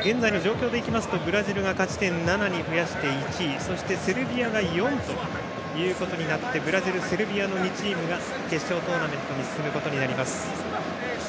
現在の状況ですとブラジルが勝ち点７に増やして１位そしてセルビアが４となってブラジル、セルビアの２チームが決勝トーナメントに進むことになります。